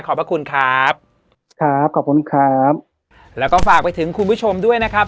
พระคุณครับครับขอบคุณครับแล้วก็ฝากไปถึงคุณผู้ชมด้วยนะครับ